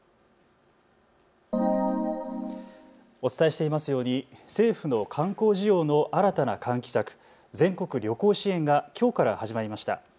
お伝えしていますように政府の観光事業の新たな喚起策、全国旅行支援がきょうから始まりました。